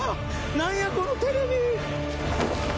何やこのテレビ。